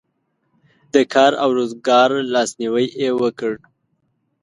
د کار او روزګار لاسنیوی یې وکړ.